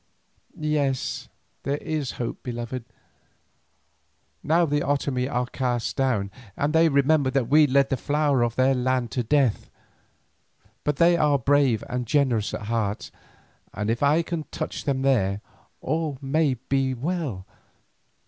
"Yes, there is hope, beloved. Now the Otomie are cast down and they remember that we led the flower of their land to death. But they are brave and generous at heart, and if I can touch them there, all may yet be well.